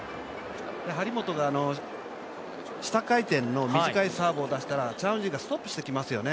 張本が下回転の短いサーブを出したらチャン・ウジンがストップしてきますよね。